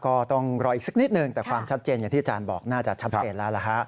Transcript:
ก็ต้องรออีกสักนิดหนึ่งแต่ความชัดเจนอย่างที่อาจารย์บอกน่าจะชัดเจนแล้วล่ะฮะ